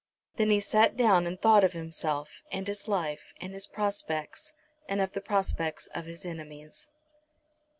Then he sat down and thought of himself, and his life, and his prospects, and of the prospects of his enemies.